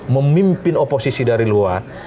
memimpin oposisi dari luar